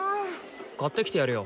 買ってきてやるよ。